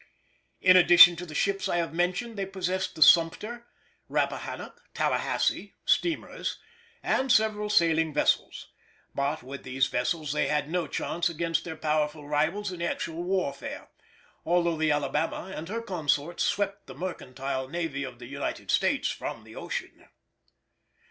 In addition to the ships I have mentioned they possessed the Sumpter, Rappahanock, Tallahasse (steamers), and several sailing vessels; but with these vessels they had no chance against their powerful rivals in actual warfare, although the Alabama and her consorts swept the mercantile navy of the United States from the ocean.